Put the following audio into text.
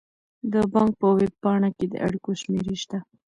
د بانک په ویب پاڼه کې د اړیکو شمیرې شته.